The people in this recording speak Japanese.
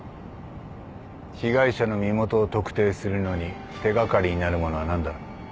被害者の身元を特定するのに手掛かりになるものは何だ？